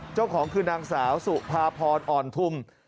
เจ้าของคือนางสาวสุภาพรอ่อนทุม